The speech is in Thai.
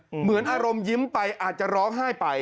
เหมือนอารมณ์ยิ้มไปอาจจะร้องไห้ไป